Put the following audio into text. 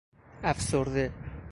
افسرده